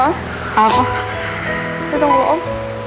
ครับ